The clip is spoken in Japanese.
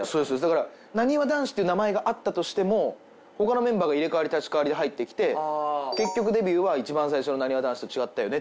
だからなにわ男子っていう名前があったとしても他のメンバーが入れ替わり立ち替わりで入ってきて結局デビューは一番最初のなにわ男子と違ったよねっていうパターンが。